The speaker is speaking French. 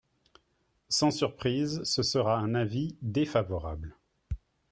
Sans surprise, ce sera un avis défavorable.